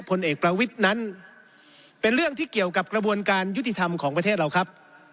ผลเอกประวิทย์นั้นเป็นเรื่องที่เกี่ยวกับกระบวนการยุติธรรมของประเทศเราครับ